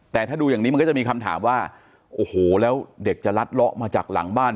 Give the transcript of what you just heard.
แต่ถ้าดูอย่างนี้มันก็จะมีคำถามว่าโอ้โหแล้วเด็กจะลัดเลาะมาจากหลังบ้าน